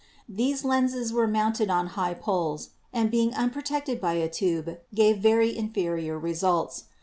These lenses were mounted on high poles, and being unprotected by a tube gave very inferior results.